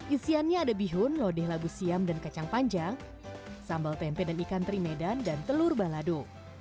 isiannya ada bihun lodeh labu siam dan kacang panjang sambal tempe dan ikan terimedan dan telur balado